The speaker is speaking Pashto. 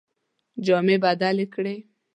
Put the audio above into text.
جامې بدلي کړې.